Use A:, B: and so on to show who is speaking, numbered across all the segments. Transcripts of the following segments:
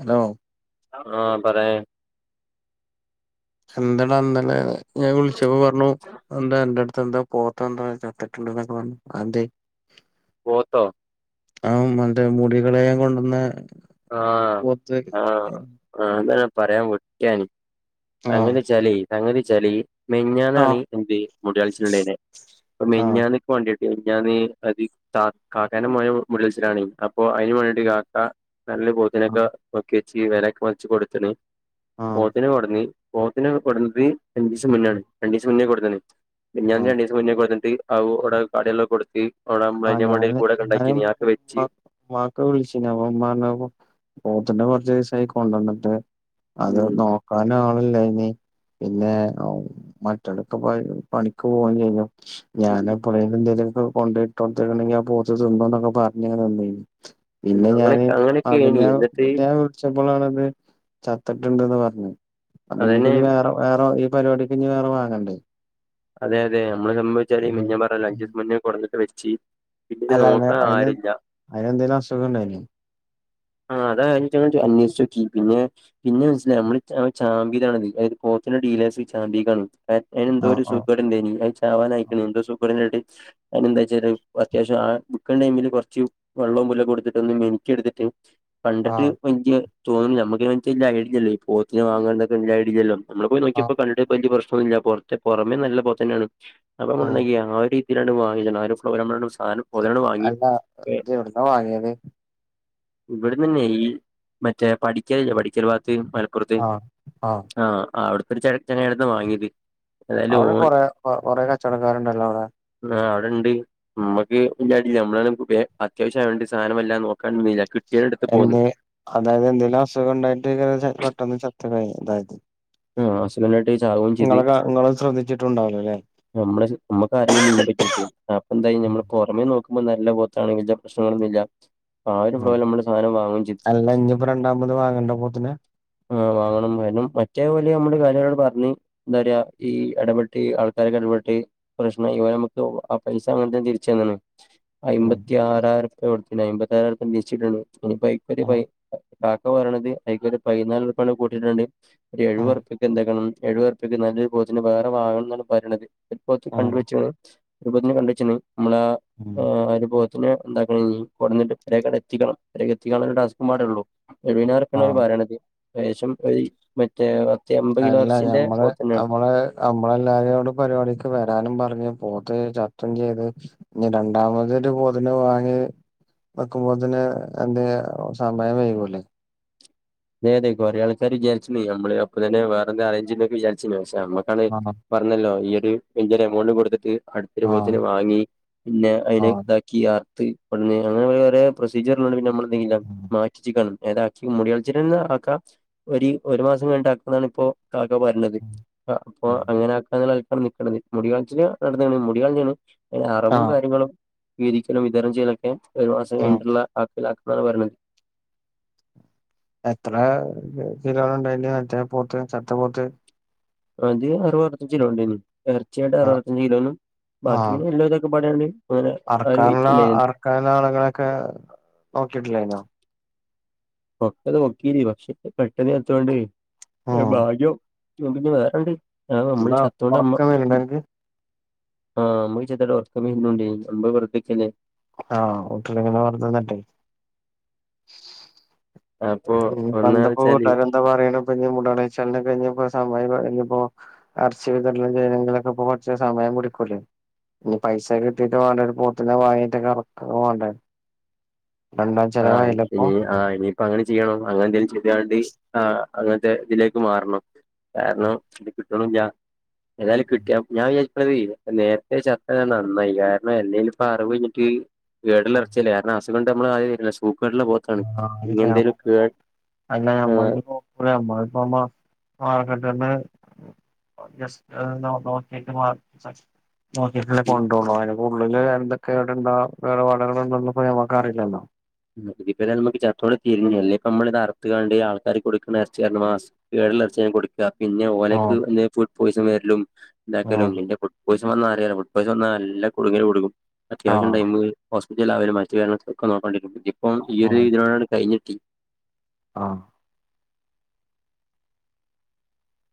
A: Hello
B: ആഹ് പറയ.
A: എന്തടാ ഇന്നലെ ഞാൻ വിളിച്ചപ്പോ പറഞ്ഞു എന്താ എന്റെടുത്ത് എന്താ. പോത് എന്തോ ചത്തിട്ടുണ്ടന്നൊക്കെ വഞ്ഞു അതെന്തേ.
B: പോത്തോ.
A: ആഹ് മറ്റെ മുടികളെയാം കൊണ്ടന്നെ
B: ആഹ് ആഹ് അതന്നാ പറയാൻ വിട്ടയാനി.
A: ആ
B: അങ്ങനെചാലെയ് അങ്ങനെചാല്. മിഞ്ഞാനാണ്
A: ആഹ്
B: എന്ത് മുടികൾച്ചില്ണ്ടായിനെ ഇപ്പ
A: ആ
B: മെഞ്ഞാന്ന്. വേണ്ടീട്ട് ഞാന് അത് കാക്കാന്റെ മോന്റെ മുടികൾചിലാണ് അപ്പൊ അതിന് വേണ്ടിട്ട്
A: ഉം,
B: കാക്ക. നല്ല
A: ആ
B: പോത്തിനൊക്കെ നോക്കി വെച്ച് വെലക്ക വച്ച് കൊടുത്തണ്
A: ആ
B: പോത്തിന കൊട്ന്ന്. പോത്തിന കൊടുന്നത് രണ്ട് ദിവസം
A: ഉം,
B: മുന്നാണ് രണ്ട് ദിവസം മുന്നേ കൊടുന്നീന്
A: ആ
B: മിഞ്ഞാന് രണ്ട ദിവസം മുന്നേ കൊടുന്നിട്ട്. ആവിടെ കടെല്ലാം കൊടുത്ത് അവിടെ മ
A: ആ
B: മണ്ടയിൽ കൂടൊക്കെ ഉണ്ടാക്കിന് അതൊക്കെ വെച്ച്.
A: വാപ വിളിച്ചന് അപ്പൊ മ്മ പറഞ് പോത്തിന കുറച് ദിവസായി കൊണ്ടന്നിട്ട്. അത്
B: ഉം
A: നോക്കാനാളില്ലനീ. പിന്നെ മറ്റടത്ത് പണിക്ക് പോകും ചെയ്തു. ഞാൻഎപ്പളേലും എന്തെേലുക്കെ കൊണ്ടട്ട് കൊടുത്തിക്കണെങ്കി ആഹ് പോത് തിന്നോന്നൊക്കെ പറഞ്ഞ നിന്നു. പിന്നെ
B: അങ്ങനെ
A: ഞാന് ആഹ്
B: അങ്ങനെയൊക്കെനി
A: പിന്നെ
B: എന്നിട്ട്
A: പിന്നെ. ച്ചപ്പോഴാണത് ചത്തിട്ടുണ്ടന്ന് പറഞ്ഞത് അ ഞ്ഞിപിന്ന
B: അതന്നെ
A: പിന്നെ വേറെ. വേറെ ഈ പരിപാടിക്ക് ഞ്ഞി വേറെ വാങ്ങണ്ടേ.
B: അതെ അതെ നമ്മള് സംഭവിച്ചാല് പിന്നെ ഞാൻ പറഞ്ഞല്ലോ അജസ് മുന്നേ കുടന്നട്ട് വെച്ച്. പിന്നെ
A: അല്ല അയ്ന്
B: നോക്കാൻ ആരില്ല.
A: അയ്ന് എന്തേലും അസുഖണ്ടായിനോ.
B: ആഹ് അത് ഞമ്മൾ അന്വേഷിച്ച് നോക്കി പിന്നെ പിന്നെ മനസ്സിലായി നമ്മള ചാമ്പിയതാണത്. പോത്തിന്റെ ഡി നാസി ചാമ്പിക്കാണ് അയിന് എന്തോ
A: ആഹ് ആഹ്
B: സൂക്കേട്ണ്ട്. ചാവാൻ അയിക്കണ് എന്തോ സുക്കേട് ണ്ടായിട്ട്. അതിനെന്താ വെച്ചാല് അത്യാവശ്യം ആ വിക്കുന്ന ടൈമില് കുറച്ച് വെള്ളവും പുല് കൊടുത്തിട്ട് ഒന്ന് മിൻക്കി എടുത്തിട്ട്. കണ്ടിട്ട്
A: ആഹ്
B: വലിയ തോന്നി നമക്ക് ഐഡിയല്ലോ ഈ പോത്തിന് വാങ്ങെ വല്ല ഐഡിയില്ലല്ലോ. നമ്മള് പോയി
A: ആഹ്
B: നോക്കിയപ്പോ കണ്ടിട്ട് വലിയ പ്രശ്നൊന്നുല്ല പുറത്തെ പുറമെ നല്ല പോത്തന്നെയാണ് അപ്പ
A: ആഹ്
B: നമ്മണ്ടാക്കിയ ഒരു. രണ്ട് വാ ആ ഒരു ഫ്ല സാനും.
A: അല്ല എവിടുന വാങ്ങിയത്.
B: ഇവിടന്നന്നെ ഈ മറ്റേ പഠിക്കലില്ല പഠിക്കൽ ഭാഗത്ത്. ആഹ് അവിടുത്തെരു ചങ്ങായിടെര്ത്ത്ന്ന വാങ്ങിയത്. ഏതായാലും
A: അവിടെ
B: ഓൻ
A: കൊറെ കൊറെേ കച്ചവടക്കാരുണ്ടല്ലോ അവിടെ.
B: ആ അവിടെണ്ട് മ്മക്ക് ഇല്ലാ നമ്മള അത്യാവശ്യ ആയോണ്ട് സാധനം വല്ലാതെ നോക്കാനിന്നില്ല.
A: എ അതായത് എന്തേങ്കിലും അസുഖം ഉണ്ടായിട്ടക്കാരം പെട്ടെന്ന് ചത്തതെയ് അതായത്.
B: ആഹ് അസുഖംണ്ടായിട്ട് ചാവും ചെയതി.
A: ട്ടുണ്ടാവോലെ അല്ലെ.
B: നമ്മള് നമ്മുക്ക് അറീല്ല ഇതിനെ പറ്റി അപ്പൊ എന്തായി. ഞമ്മ സമയ നോക്കുമ്പോ നല്ല പോത്താണെങ്കി പ്രശ്നങ്ങളൊന്നും ഇല്ല ആ ഒരു സ്ലോല്നമ്മള് സധനം വാങ്ങുകയും ചെയ്തു.
A: അല്ല ഇഞ്പ്പോ രണ്ടാമത് വാങ്ങണ്ടെ പോത്തിന.
B: ആ വാങ്ങണം വേണം പറ്റേപോലെ നമ്മള് കാര്യവരോട് പറഞ്ഞ് എന്താ പറയാ ഈ ഇടപെട്ട. ആൾക്കാരെക്കെ ഇടപെട്ട് പ്രശ്നം ഇ നമക്ക് ആ പൈസ അങ്ങനത്തെ തിരിച് തന്നാണ്. അയ്മ്പത്തി ആറായിറുപ്യാ കൊടുത്നി അയ്മ്പത്തി ആറായിറുപ്യാ ഇനിതിരിച്ച് കിട്ടേണം ഞ്ഞിപ്പയ്ക്കൊരു പയ് കാക്ക പറയിണെത് അയ്ക്കൊരു പയ്നാല്റുപ്യാണ് കൂട്ടിയിട്ടാണ്ട് ഒരു എഴുവർപ്പെക്ക് എന്താക്കണം എഴുവെർ ന്നല്ലൊരു പോത്തിന് വേറെ വാങ്ങണം ന്നാണ് പറയ്ണത് ഒരു പോത്ത് കണ്ട് വെച്ച്ക്ക്‌ണ് ഒരുപോത്തിന് കണ്ട് വെച്ച്ണ് മ്മളെ ഏഹ് ഒരു പോ അയ്നെ എന്താക്കണംഞ്ഞി കൊട്ന്നിട്ട് എത്തിക്കണം എത്തിക്കാനില്ലെ ട്ടാസ്ക്ക്‌പാടെള്ളൂ.
A: ആ
B: എഴുനാറുപ്യാണ് ഓര് പറീണത് ഏകേഷം കൈ മറ്റേ പത്ത് എമ്പത് കിലോ അർച്ചിന്റെ പോത്ത്ണ്ടായ്നി
A: അമ്മളെല്ലാരോടും പരിപാടിക്ക് വെരാനും പറഞ്ഞു പോത്ത് ചത്തും ചെയ്തു. ഞ്ഞി രണ്ടാമതൊരു പോത്തിനെ വാങ്ങി വെക്കുമ്പോ തെന്നെ എന്തെയ്യ സമയം വെയ്കൂലെ?
B: ഞാതെക്കു അറിയാതെക്കാൻ വിചാരിച്ച്ണ് ഞമ്മള് അപ്പതെന്നെ വേറെന്ത്‌ അറേയ്ഞ്ചെയ്ത്ന്നൊക്കെ വിജാരിച്ച്ണ് പക്ഷെ ഞമ്മക്കാണ്
A: ആ
B: പറഞ്ഞല്ലോ ഈ ഒര് വല്ല്യാ ഒരു എമൗണ്ട് കൊടുത്തിട്ട് അടുത്തൊരു
A: ആ
B: പോത്തിനെ വാങ്ങി പിന്നെ
A: ആ
B: അയ്നെ ഇതാക്കി കിയാർത്ത പെണ്ണ് അങ്ങനെകൊറെ പ്രൊസീജിയറണ്ട് പിന്നെ ഞമ്മൾ എന്തെയ് മാറ്റിച്ച്ക്കാണ് ഏതാക്കിമുടികൾ ച്ചിനൊന്ന്ആക്ക ഒരി ഒരുമാസം കയ്ഞ്ഞിട്ട് ആർക്ണതാണിപ്പോ അഹൊക്കെ പറഞ്ഞത് അപ്പൊ അങ്ങനെആക്കാനുള്ള കട്ഞ്, കട്ഞ് മുടാഴ്ചെല് നടന്ന്ക്ക്‌ണ് മുടികളഞ്ക്ക്‌ണ്അയ്ന്
A: ആ
B: അറവും കാര്യങ്ങളും വീതിക്കലും വിതരണം ചെയ്യലൊക്കെ ഒരുമാസം
A: ഉം
B: കൊണ്ടുള്ള ആക്കില ആക്കും ന്നാണ് പറയ്ണത്.
A: എത്ര കിലോന് ഇണ്ടായിന് മറ്റേ പോത്ത് ചത്ത പോത്ത്?
B: അത് അറുവത് അറുവത്തഞ്ച് കിലോണ്ടയ്നി ഇറച്ചായിട്ട്
A: ആ
B: അറുവത്തഞ്ച് കിലോനും ബാക്കി എല്ലു ഇതൊക്കെപ്പാടെആയോണ്ട്
A: അർക്കാനുള്ള അർക്കാനാളുകളെക്കെ നോക്കിട്ടില്ലയ്നോ?
B: പൊക്ത്തൊക്കെ പൊക്കീനി പക്ഷെ പെട്ടെന്ന് ചത്തോണ്ട്
A: ഉം
B: ഭാഗ്യം ഞമ്മക്കിഞ്ഞി വേറെഎവുടി ആഹ് ഞമ്മള്
A: എന്താ
B: ചത്തോണ്ട് അമ്മ
A: ഉറക്കം വരണ്ട അനക്ക്
B: ആഹ് അമ്മക്ക് ചെർതായിട്ട് ഒറക്കം വെർന്നുണ്ട് സംഭവം വെർതെനിക്കല്ലേ?
A: ആഹ് ഒത്തുല്ലെങ്കിന്ന വെർതെ നിന്ന്ട്ടെ [inaudible]
B: അപ്പൊ
A: ഉം ഞ്ഞിന്തപ്പോ
B: ഒന്നാലോചിച്ചാല്
A: വൂട്ടാര് എന്താ പറയണ് മുടളീച്ചെലിന് കയ്ഞ്ഞപ്പോ സമയം കയ്ഞ്ഞപ്പോ അർച്ചിയൊക്കെ കിട്ടെണെങ്കി അയ്നെങ്കി കൊർച്ച് സമയം പുടിക്കൂലെ? ഇനി പൈസക്കെ കിട്ടീട്ട് വാണ്ടെഒരു പോത്തിനെ വാങ്ങീറ്റൊക്കെ ആർക്കാക്കോ വാണ്ടേ? രണ്ടാംചെലെവ് ആയില്ലെപ്പോ?
B: ആഹ് ഇനിയിപ്പം അങ്ങനെ ചെയ്യണം അങ്ങനെ എന്തെലും ചെയ്ത്ക്കാണ്ട് ആഹ് അങ്ങൻത്തെ ഇതിലേക്ക് മാറണം കാരണം ഇത് കിട്ട്ണൂല്ല. ഏാതായാലും കിട്ടിയ ഞാൻ വിജാരിക്ക്ണെതെയ് നേര്ത്തെ ചത്തത് നന്നായി കാരണം എല്ലെനിപ്പോ അറവ് കയ്ഞ്ഞിട്ട് കേടില്ലേ അർച്ചില്ലെ കാരണസ് ത്കൊണ്ട് ന്നമ്മളായില്ല സൂകേടുള്ള പോത്താണ്
A: ആഹ്
B: ഇങ്ങന്തെലും കേട് ആഹ്
A: [unintelligible] ഇപ്പ മാ [unintelligible] ഒന്ന് ജെസ്റ്റ് ഹ് നോ നോക്കീട്ട് ബ സസ് നോക്കീട്ടല്ലേ കൊണ്ടോണ് അയ്ന്പ്പോ ഉള്ളില് എന്തൊക്കെവിടെണ്ടോ വേറെ കേട്പാട് ഉണ്ടോന്ന്പ്പോ ഞമ്മക്ക് അറീലല്ലോ.
B: ഇതിപ്പോ അമ്മക്ക് ചത്തോടെ തീർന്നു അല്ലേപ്പോ അമ്മളിത് അർത്ത്കാണ്ട് ആൾക്കാർ കൊടുക്ക്ണ അർച്ചിന്ന്മാസ് കേട്ള്ളർച്ചിയാണ് കൊട്ക്ക പിന്നെ
A: ആഹ്
B: ഓലെക്ക് ഫുഡ് പോയിസൺ വെരെലും ഇണ്ടാക്കലും
A: ആഹ്
B: പിന്നെഫു പൊയ്സംവെന്നാ അറിയാലോ ഫുഡ്‌പൊയ്‌സംവന്ന ന്നല്ലെ കുടുങ്ങല് കൊടുങ്ങും അത്യാവിശം
A: ആഹ്
B: ടൈമ് ഹോസ്പിറ്റല് ആവലും മറ്റു കാര്യൊക്കെ ഒക്കെനോക്കേണ്ടിവെരും ഇതിപ്പോ ഈ ഒര്
A: ആഹ്
B: ഇതിനോട് കയ്ഞ്ഞിട്ടി
A: ആഹ്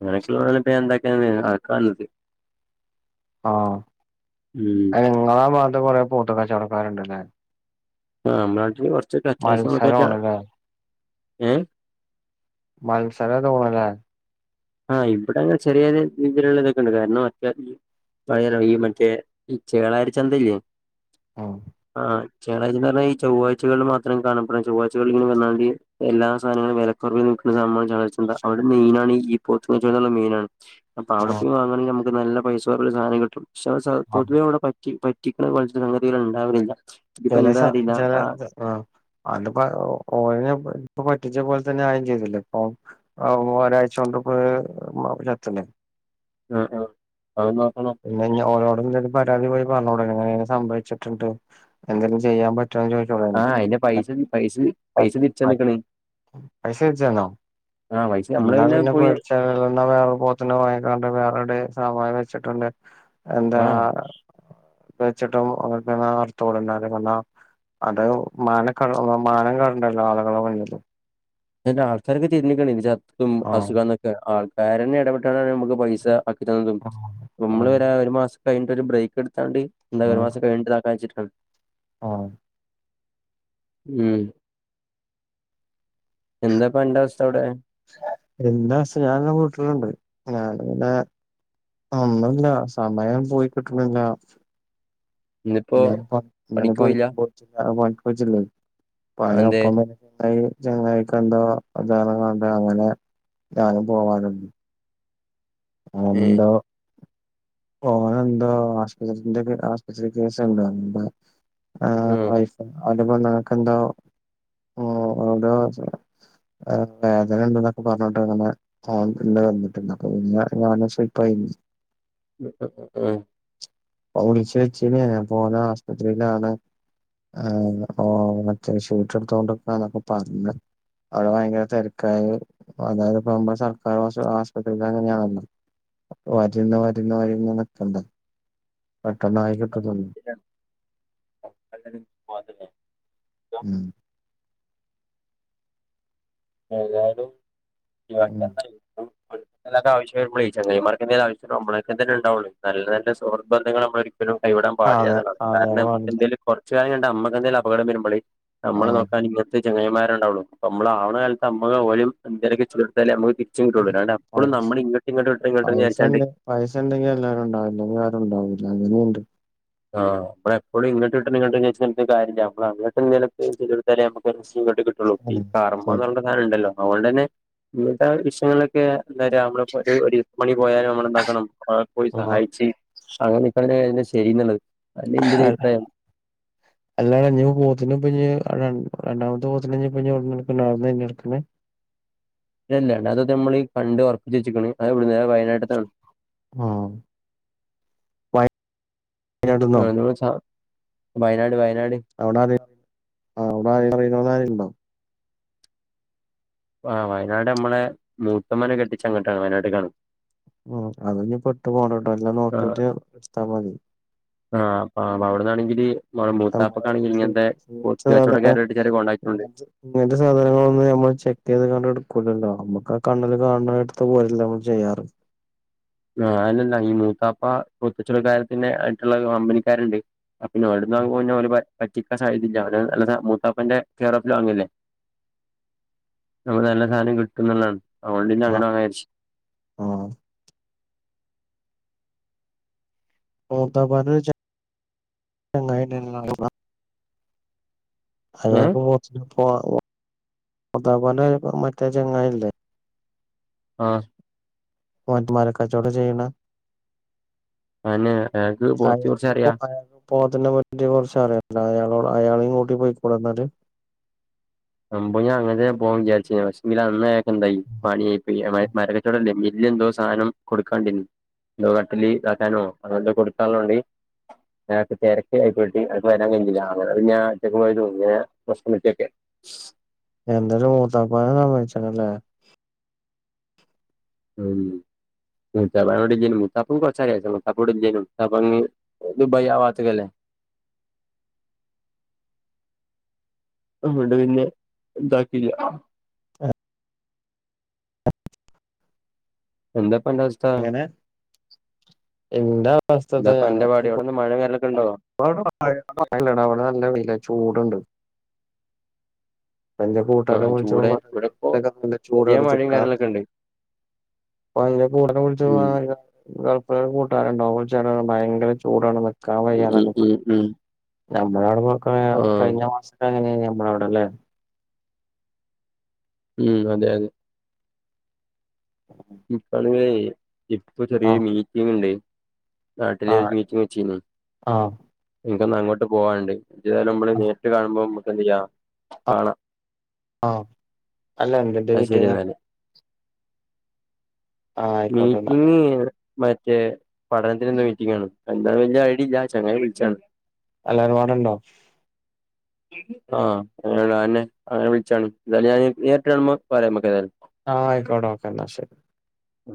B: അങ്ങനൊക്കെ ഇള്ളതൊക്കെ ഞാൻ ഇണ്ടാക്കാനേ അത് കണ്ട്
A: ആഹ്
B: ഉം
A: അയ്ന് ഇങ്ങളാബാത്ത്കൂടെ കൊറെ പോത്ത് കച്ചോടക്കാരുണ്ട്ലെ?
B: ആഹ് അമ്മളെ കൊറച്ചൊക്കെ അത്യാവിശ്യ പോത്ത്കച്ചോടം
A: മത്സരാണ്ല്ലേ
B: ഏഹ്
A: മത്സരാ തോന്ന്ണ്ലെ?
B: ആഹ് ഇബിടങ്ങെ ചെറിയഒരു രീതിയിലുള്ള ഇതൊക്കെ ഇണ്ട് കാരണം അത്യാവിശ പയരെ ഈ മറ്റേ ഈ ചേളാരി ചന്തല്ലേ?
A: ഉം
B: ആഹ് ചേളാരി ചന്തർഞ്ഞ ഈ ചൊവ്ഴ്ചകളിൽ മാത്രം കാണപ്പെടുന്ന ചൊവ്വാ്ചകളിൽ ഇങ്ങവന്നാണ്ട് എല്ലാ സാധനങ്ങളും വെലക്കൊറവിൽ വിക്ക്ണ [unintelligible] ന്താ അവടെ മൈനാണ് ഈ പോത്ത് [unintelligible] ആണ് മെയ്നാണേ അപ്പൊ
A: ആഹ്
B: അവടെപോവാങ്ങണെങ്കി അമ്മക്ക് നല്ല പൈസൊറവ്ല് സാനം കിട്ടും [unintelligible]
A: ആഹ്
B: റ്റി പറ്റിക്ണകൊൽതില് സങ്ങതി ഇണ്ടാവലില്ല ഇതിപ്പോന്താ അറില്ല ആ
A: ആ് അത്പ്പോ ഓനെ ഇപ് ഇപ്പ പറ്റിച്ച പോൽതന്നെ ആയിം ചെയ്തല്ലോ ഇപ്പൊ അ ഒരാഴ്ച്ചോണ്ട് [unintelligible]
B: ആ. ആ് അഹ് നോക്കണം
A: പിന്നെഞ്ഞി ഓനോട്ന്ത പരാതി പോയി പർഞ്ഞുടെയ്നി ഇങ്ങനെങ്ങനെ സംഭവിച്ട്ട്ണ്ട് എന്തെലും ചെയ്യാൻപറ്റോന്ന് ചോയ്
B: ആ അതിന്റെ പൈസ പൈസ പൈസ
A: [unintelligible]
B: തിരിച്ചന്ന്ക്കണ്
A: പൈസ അയച്ചുതന്നോ
B: ആ പൈസ നമ്മള്
A: ന്നാ പിന്നെ
B: പോയി
A: പേട്ച്ചള്ള വേറെ പോത്തിനെ വാങ്ങിങ്ങാണ്ട് വേറെവ്ടെ സവായ വെച്ട്ട്ണ്ട് എന്താ
B: ആ
A: വെച്ച്ട്ടും [unintelligible] അർത്ഥോട്ണ്ട വന്നാ അടവ് [unintelligible] മാനം കെട്ണ്ടല്ലോ ആള്കളെ മുന്നില്
B: അയിന്റെ ആൾക്കാര് തിര്ഞ്ഞ ക്ണ് ഇത് ചത്തും
A: ആഹ്
B: അസുഗാന്നൊക്കെ ആൾക്കാരെന്നെ ഇടപെട്ട്ങ്ങാണ്ടാണ് നമക് പൈസഅക് ഇതെന്തും മ്മള്
A: ആഹ്
B: വരാ ഒരു മാസം കയ്ഞ്ട്ട് ഒരു ബ്രേക്ക് ഇട്ത്താണ്ട് ന്താ ഒരു മാസം കഴിഞ്ഞ്ട്ട് ദക്കാ വെച്ചിട്ടണ്
A: ആ.
B: ഉം. എന്താ പ ന്റാവസ്ഥ അവടെ
A: എന്താ അസ്ഹാർനെ കൂട്ട്ണ്ണ്ട് ഞാനങ്ങനെ ഒന്നുല്ല സമയം പോയിക്ട്ട്ണ്ല്ല
B: ഇന്നിപ്പോ
A: ഇന്നാലും
B: പണിക്ക് പോയില്ല
A: [unintelligible]
B: അതെന്തേ
A: പണിഒപ്പമ് ഐ. ചങ്ങയികെന്താ [unintelligible] അങ്ങനെ ഞാനും പോവാന്ണ്ട് ആ.
B: ഏ
A: ണ്ടോ ഓനന്ത ആശ്പത്രിന്റെക്കെ ആശ്പത്രികേസുണ്ടോ ആ. ഐ അന്റെ പെണ്ങ്ങക്കെന്താ ഓ ഓന്റെ ച് അഹ് വേദനണ്ട്ന്നൊക്കെ പറ്ഞ്ട്ട് പിന്നെ ആണ്ട് വന്ന്ട്ണ്ട് പിന്നെ ഞാന് സുയ്പായി.
B: [unintelligible]
A: പ്പൊ വുൾച്ചോയ്ച്ചീന്നു ഞാന് അപ്പൊ ഓന് ആശ്പത്രിലാണ് ആന്ന് ഓ മറ്റേ ഷീട്ട്ട്ത്തൊണ്ടക്കന്നൊക്കെ പറ്ഞ് അവിടെ ഭയങ്കര തിരക്കായി അതായത് പോമ്പോ സർക്കാർ ഹോസ് ആസ്പത്രിയില് അങ്ങനെയാണല്ലോ വര്ന്നെ വര്ന്നെ വര്ന്ന നിക്കണ്ട പെട്ടെന്നായി കിട്ടു [unintelligible]
B: രൺ തൽകാലിം പാത്ത്ണ്ടോ
A: മ്.
B: ഏതായ്ലും
A: ഉം
B: [unintelligible] പൺ ണ്ടെ ആവശ്യ വെരുമ്പളയ് ചെങ്ങായ്‌മാരോക്കെ ആവശ്യതിന് [unintelligible] ഇണ്ടാവൊള്യ് നല്ല സുഹൃത്ബദ്ധങ്ങൾ നമ്മളൊ രും
A: അതെ
B: കൈവിടംപാടില്ലാന്നാണ്
A: അതെ
B: കാരണം
A: പാടില്ല
B: നമുക്കന്തേൽ കൊറ്ച്ചയ്ഞ നമ്മക്കെന്തെല് അപകടം വേരുമ്പളെയ് നമ്മളെ
A: ആഹ്
B: നോക്കാന് ഇങ്ങൻത്തെ ചങ്ങയ്ന്മാര്ണ്ടാവുള്ളു നമ്മള് ആവണ കാലത്ത് നമ്മക ഓലും എന്തെലൊക്കെ ഇച്ളി ടുത്താലേ നമ്മക്ക് തിരിച്ചും കിട്ടൊള്ളൂ അല്ലാന്ണ്ട് അപ്പോളും ന്നമ്മള് ഇങ്ങട്ട് ഇങ്ങ്ട്ട [unintelligible] വിജാര്ച്ങ്ങാണ്ടെ
A: പൈസണ്ടെങ്കിഎല്ലാരും ണ്ടാവും ല്ലെങ്കി ആരുംണ്ടാവൂല്ല അങ്ങനെണ്ട്
B: ആ, എപ്പളും ഇങ്ങട്ട് കിട്ടണ്ങ്ങാണ്ട് ന്ന്ച്ച കാര്യല്ല മ്മള് അങ്ങട്ട് എന്തെലൊക്കെ ചെയ്തോട്താലെ അമ്മകത് സു ഇങ്ങട്ട് കിട്ടു ട്ടൊളു ഈ
A: ഉം ശരി
B: കർമ്മന്ന്ള്ള സാനംണ്ടല്ലോ അതേണ്ടന്നെ [unintelligible] വിഷയങ്ങള ക്കെ ന്തച്ച നമ്മള [unintelligible] ഒര് മണി പോയാലും നമ്മളൊന്താക്കണം പോയി
A: ആഹ്
B: സഹായിച്ച് അങ്ങനെ നിക്കാനേ അയ്‌ന് ശരി ന്ന്ള്ളത്
A: ഹ ലൊ. അല്ലാ ഞ്ഞിപൊ പോത്തിന പഞ്ഞി രണ്ടാമത്തെ പോത് നെ ഞ്ഞിപഞ് അവ്ട്ന്നന്നെ എടുക്കണെ
B: തന്നെ അല്ലാതെ തമ്മള് കണ്ട് ഒർപ്പിച്ക്ണ് [unintelligible] വയനാട്ട്താണ്
A: ആഹ് വയനാട്ട്ന്നോ
B: [unintelligible] ച്ച വയനാട് വയനാട്
A: അവിടാരെലും അറീണോലാരെലുണ്ടോ
B: ആഹ് വയനാട് അമ്മളെ മൂത്തമ്മാനെ കെട്ടിച്ചെ അങ്ങട്ടാണ് വയനാട്ട്കാണ്
A: ഉം അതങ് പെട്ടു പോണട്ടോ എല്ലാം നോക്കീട്ട് എടുത്താമതി
B: ആഹ് ആഹ് അവിടുന്നാണെങ്കില് മ
A: നമ്മള്
B: മൂത്താപ്പക്ക് ആണെങ്കിൽ ഇങ്ങനത്തെ പോത്ത്
A: സാധന
B: കച്ചവടക്കാരുമായിട്ട് ചെറിയ കോൺടാക്ട് ണ്ട്
A: ഇങ്ങനത്തെ ഇങ്ങനത്തെ സാധനങ്ങളൊന്നും നമ്മള് ചെക്ക് ചെയ്ത് കണ്ട് എടുക്കൂലല്ലോ നമ്മുക്ക് ആ കണ്ണില് കാണണെ എടുത്ത് പോലല്ലെ നമ്മള് ചെയ്യാറ്
B: നാന്നന്നെ ആണ് ഈ മൂത്താപ്പ പോത്ത് ച്ചവട കാര്യത്തിന് ആയിട്ടുള്ള കമ്പനിക്കാരുണ്ട് അഹ് പിന്നെ വിടുന്നഉമ്പൊ പറ്റിക്കാൻ സാധ്യതയില്ല നല്ല മൂത്താപ്പന്റെ കെയർ ഓഫിൽ വാങ്ങല്ലേ നമ്മക്ക് നല്ല സാനം കിട്ടും എന്നുള്ളണ് അതുകൊണ്ട് പിന്നെ
A: ആഹ്
B: അങ്ങനെ മേടിച്ചു
A: ആഹ് മൂത്താപ്പാന്ന് വെച്ചാ ചങ്ങായി [unintelligible]
B: ഏഹ്
A: അയാക്ക് പോ പോത്ത് മറ്റേ ചങ്ങായില്ലേ
B: ആഹ്
A: പോത്തുമാരെ കച്ചോടം ചെയ്യണ
B: അതെന്നെ അയാക്ക് പോത്തിനെ കുറിച്ച് അറിയാ
A: അയാൾക്കിപ്പോ അയാക്ക് പോത്തിനെ പറ്റി കുറച്ച് അറിയല്ല അയാ അയാളെയും കൂട്ടി പോയിക്കൂടെന്നാല്
B: സംഭവം ഞാൻ അങ്ങന പോവാ വിചാരിച്ഞ്ഞെ പക്ഷെങ്കില് അന്ന് പന്തായി [unintelligible] മരകച്ചവടല്ലേ എന്തോ സാധനം കൊടുക്കാണ്ടിനി അഥവാ കട്ടിലി ഇതാക്കാനോ അതൊണ്ട് കൊടുക്ക ഒള്ളൊണ്ടി ഞാ ഇപ്പ തെരക്കിലായിപോയിട്ടി അപ്പം വെരാൻ കയിഞ്ഞില്ല അങ്ങനെ പിന്നെ ഞാൻ ഒറ്റക്ക് പോയിട്ട് ഇങ്ങനെ പ്രശ്നം പറ്റിയൊക്കെ [inaudible]
A: എന്തായാലും മൂത്താപ്പാനെ സമ്മയ് പറഞ്ഞച്ചണല്ലേ
B: ഉം മൂത്താപ്പ ഇവടെ ഇല്ലേനു മൂത്താപ്പു കൊറച്ചായാരുന്നു മൂത്താപ്പ ഇവടെ ഇല്ലേനു മൂത്താപ്പ അങ്ങ് ദുബായി ആഹ് ഭാഗത്ത്ക്ക അല്ലേ. ഇവിടെ പിന്നെ ഇതാക്കിയില്ല
A: എ
B: എന്താപ്പന്റസ്
A: അങ്ങനെ എന്താ അവസ്ഥ ഇത്
B: എന്താപ്പ അന്റെ പാട്
A: ഞങ്ങക്കിപ്പം
B: അവിടെന്ന് മഴ വരലൊക്കെ ഉണ്ടോ
A: [unintelligible] ഇവിടെ നല്ല വെയിലാ ചൂടുണ്ട് എന്റെ കൂട്ടാരെ
B: ആ
A: വിളിച്ചപ്പം
B: ചൂട്
A: പറഞ്ഞെ
B: ഇവിടെ ഇപ്പോ
A: [unintelligible]
B: ചെറിയ മഴയും
A: ചൂടെടുത്ത്ക്കാന്ന്
B: കാര്യങ്ങളൊക്കെ ഉണ്ട്
A: അപ്പ അയിൻ്റ കൂടൊക്കെ പൊളിച്ച് [unintelligible]
B: ഉം
A: [unintelligible] കൂട്ടുകാര് ഉണ്ടാവും വിളിച്ചപ്പം ഭയങ്കര ചൂടാണ് നിക്കാൻ
B: ഉം
A: വയ്യാന്നൊക്കെ പ
B: ഉം ഉം ആ
A: [unintelligible] കഴിഞ്ഞ മാസക്കങ്ങനെയാ അവിടെ അല്ലേ
B: ഉം അതെ അതെ
A: [inaudible]
B: ഇപ്പോളേ ഇപ്പ ചെറിയൊരു
A: ആഹ്
B: മീറ്റിംഗ്ണ്ട് നാട്ടിലെ ഒരു
A: ആഹ്
B: മീറ്റിംഗ് വെച്ചിരുന്നു
A: ആഹ്
B: എനിക്കൊന്ന് അങ്ങോട്ട് പോവാൻണ്ട് [unintelligible] നമ്മള് നേരിട്ട് കാണുമ്പോ നമുക്ക് എന്ത് ചെയ്യാം
A: ആഹ്
B: കാണാ
A: ആഹ് അല്ല എന്തിന്റെ
B: അത് ശരി
A: മീറ്റിങ്ങാ
B: എന്നാല്
A: ആഹ് ആയിക്കോട്ടെന്നാ
B: മീറ്റിംഗ് മറ്റേ പഠനത്തിന്റെ എന്തോ മീറ്റിംഗ് ആണ് എന്താ വലിയ ഐഡി ഇല്ല ചങ്ങായി വിളിച്ചെയാണ്
A: എല്ലാര്പാടെണ്ടോ
B: ആഹ് അനെ അങ്ങനെ വിളിച്ചാണ് ആഹ് എന്തായാലും ഞാൻ നേരിട്ട് കാണുമ്പം പറയാം നമുക്ക് ഏതായാലും
A: ആഹ് ആയിക്കോട്ടെ ഓക്കെ ന്നാ ശരി
B: ഉം